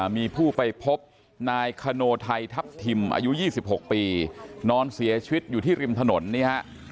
มีผู้ไปพบนายคโนไทยทัพทิมอายุ๒๖ปีนอนเสียชีวิตอยู่ที่ริมถนนนี่ฮะ